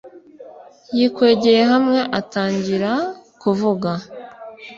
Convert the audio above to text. Yikwegeye hamwe atangira kuvuga.